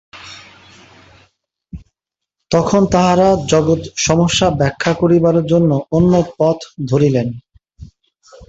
তখন তাঁহারা জগৎ-সমস্যা ব্যাখ্যা করিবার জন্য অন্য পথ ধরিলেন।